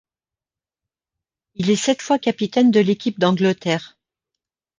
Il est sept fois capitaine de l'équipe d'Angleterre.